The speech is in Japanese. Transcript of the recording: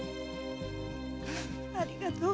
ありがとう。